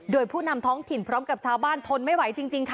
โดยผู้นำท้องถิ่นพร้อมกับชาวบ้านทนไม่ไหวจริงค่ะ